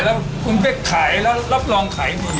แล้วก็คุณไปขายเราก็รับรองขายมี